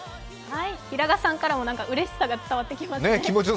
平賀さんからもうれしさが伝わってきますね。